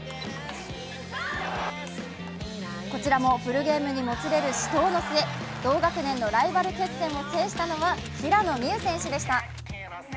こちらもフルゲームにもつれる死闘の末、同学年のライバル決戦を制したのは平野美宇選手でした。